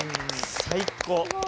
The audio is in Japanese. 最高。